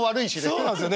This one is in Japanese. そうなんですよね。